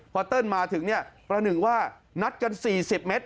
พอเติ้ลมาถึงเนี่ยประหนึ่งว่านัดกัน๔๐เมตร